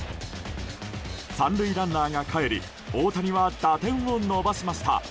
３塁ランナーがかえり大谷は打点を伸ばしました。